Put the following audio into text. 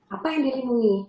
apa yang dilindungi